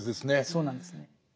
そうなんですね。